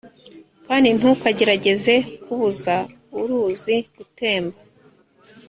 kandi ntukagerageze kubuza uruzi gutemba